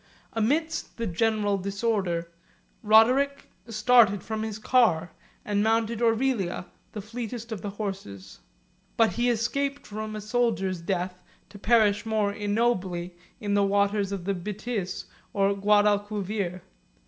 Amidst the general disorder, Roderic started from his car, and mounted Orelia, the fleetest of his Horses; but he escaped from a soldier's death to perish more ignobly in the waters of the Boetis or Guadalquiver.